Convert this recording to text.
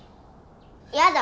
やだ。